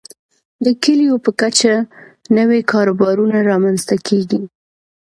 د کليو په کچه نوي کاروبارونه رامنځته کیږي.